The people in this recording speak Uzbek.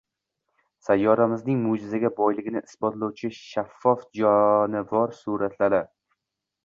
Sayyoramizning mo‘jizaga boyligini isbotlovchi shaffof jonivorlar suratlari